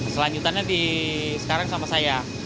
selanjutannya sekarang sama saya